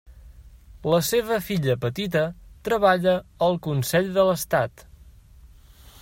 La seva filla petita treballa al Consell de l'Estat.